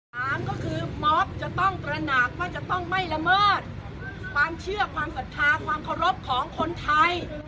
สามก็คือมอบจะต้องตระหนักว่าจะต้องไม่ละเมิดความเชื่อความศรัทธาความเคารพของคนไทย